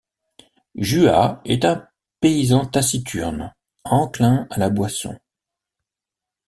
Juha est un paysan taciturne, enclin à la boisson.